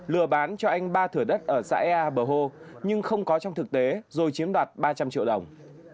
lừa bán cho anh ba thửa đất ở xã ea bờ hô nhưng không có trong thực tế rồi chiếm đoạt ba trăm linh triệu đồng